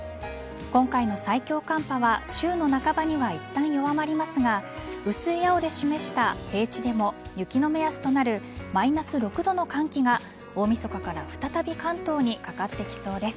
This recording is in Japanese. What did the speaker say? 今回の最強寒波は週の半ばにはいったん弱まりますが薄い青で示した平地でも雪の目安となるマイナス６度の寒気が大晦日から、再び関東にかかってきそうです。